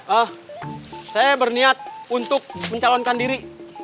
oh saya berniat untuk mencalonkan diri